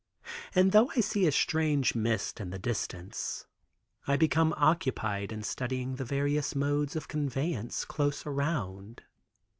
And though I see a strange mist in the distance, I become occupied in studying the various modes of conveyance close around.